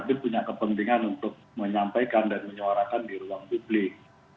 tapi punya kepentingan untuk menyampaikan dan menyuarakan di ruang publik